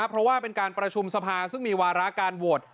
เพราะว่าเป็นการประชุมสภาซึ่งมีวาระการโหวต